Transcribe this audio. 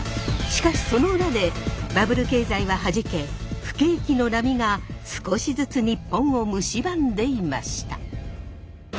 しかしその裏でバブル経済ははじけ不景気の波が少しずつ日本をむしばんでいました。